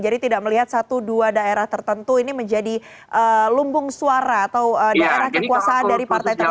jadi tidak melihat satu dua daerah tertentu ini menjadi lumbung suara atau daerah kekuasaan dari partai tertentu